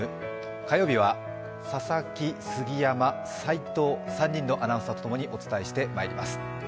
火曜日は佐々木、杉山、齋藤、３人のアナウンサーとともにお伝えしてまいります。